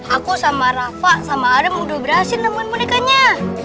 aku sama rafa sama arif mau dubrasin temen temen bonekanya